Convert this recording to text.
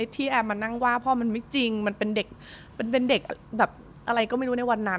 ที่แอมมานั่งว่าพ่อมันไม่จริงมันเป็นเด็กอะไรก็ไม่รู้ในวันนั้น